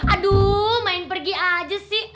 aduh main pergi aja sih